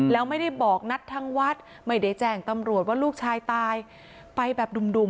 แล้วไม่ได้บอกนัดทางวัดไม่ได้แจ้งตำรวจว่าลูกชายตายไปแบบดุ่ม